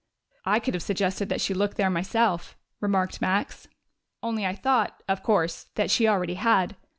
"I could have suggested that she look there myself," remarked Max. "Only I thought, of course, that she already had....